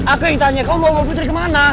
aku yang tanya kamu mau bawa putri kemana